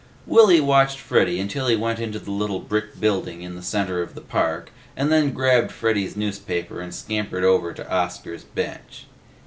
Willy watched Freddy until he went into the little brick building in the center of the park, and then grabbed Freddy's newspaper and scampered over to Oscar's bench.